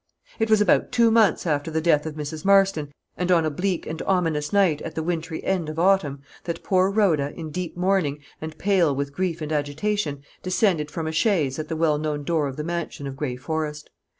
It was about two months after the death of Mrs. Marston, and on a bleak and ominous night at the wintry end of autumn, that poor Rhoda, in deep mourning, and pale with grief and agitation, descended from a chaise at the well known door of the mansion of Gray Forest.